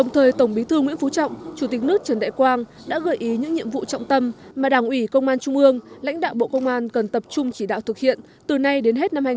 tổng bí thư nguyễn phú trọng chủ tịch nước trần đại quang đã gợi ý những nhiệm vụ trọng tâm mà đảng ủy công an trung ương lãnh đạo bộ công an cần tập trung chỉ đạo thực hiện từ nay đến hết năm hai nghìn hai mươi